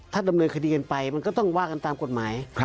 ถ้าดำเนินคดีกันไปมันก็ต้องว่ากันตามกฎหมาย